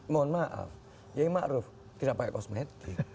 mohon maaf yayu ma'ruf tidak pakai kosmetik